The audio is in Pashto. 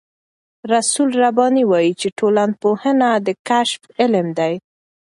رسول رباني وايي چې ټولنپوهنه د کشف علم دی.